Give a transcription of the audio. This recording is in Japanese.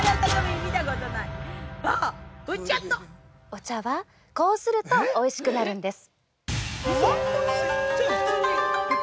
お茶は、こうするとおいしくなるんです。